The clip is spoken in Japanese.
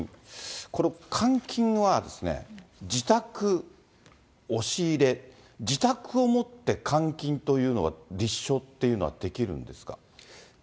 この監禁はですね、自宅、押し入れ、自宅をもって監禁というのは立証っていうのはできるんですか？